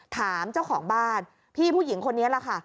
ถามเจ้าของบ้านพี่ผู้หญิงคนนี้แหละค่ะ